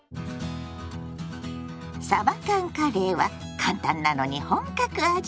「さば缶カレー」は簡単なのに本格味。